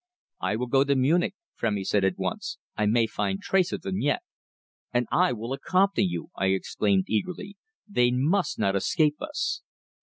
"I will go to Munich," Frémy said at once. "I may find trace of them yet." "And I will accompany you!" I exclaimed eagerly. "They must not escape us."